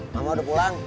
mama udah pulang